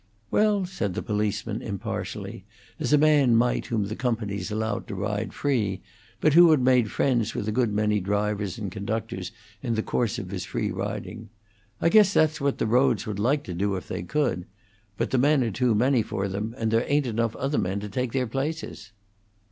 "Well," said the policeman, impartially, as a man might whom the companies allowed to ride free, but who had made friends with a good many drivers and conductors in the course of his free riding, "I guess that's what the roads would like to do if they could; but the men are too many for them, and there ain't enough other men to take their places."